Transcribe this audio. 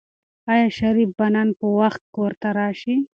آیا شریف به نن په وخت کور ته راشي؟